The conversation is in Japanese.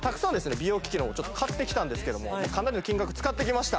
美容機器の方買ってきたんですけどもかなりの金額使ってきました